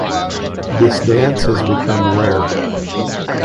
This dance has become rare